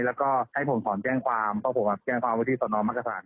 แล้วก็ให้ผมสอนแปลงความเพราะผมแปลงความวิธีตอนน้องมากกระทั่ง